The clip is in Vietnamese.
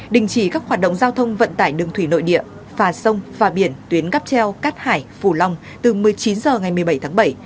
đình chỉ các hoạt động giao thông vận tải đường thủy nội địa phà sông phà biển tuyến cáp treo cắt hải phù long từ một mươi chín h ngày một mươi bảy tháng bảy